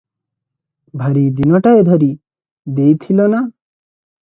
ଭାରି ଦିନଟାଏ ଧରି ଦେଇଥିଲ ନା!